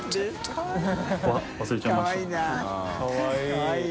かわいい。